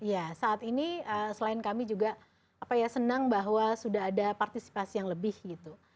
ya saat ini selain kami juga senang bahwa sudah ada partisipasi yang lebih gitu